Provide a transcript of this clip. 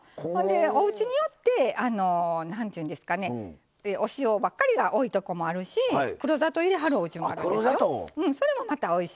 おうちによってお塩ばっかりが多いとこもあるし黒砂糖を入れはるおうちもあるんですよ。